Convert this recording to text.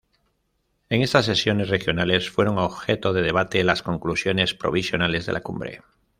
En estas sesiones regionales fueron objeto de debate las conclusiones provisionales de la Cumbre.